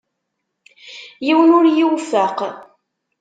Yiwen ur y-iwefeq.